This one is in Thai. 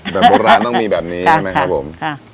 โบราณต้องมีแบบนี้ใช่ไหมครับผม